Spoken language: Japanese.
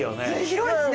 広いですね。